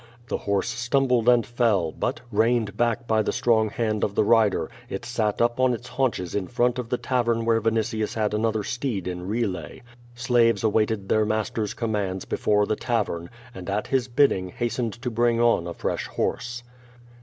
'^ The horse stumbled and fell, but, reined back by the strong hand of the rider, it sat up on its haunches in front of the tavern where Vinitius had an other steed in relay. Slaves awaited their master's commands before the tavern, and at his bidding hastened to bring on a fresh horse.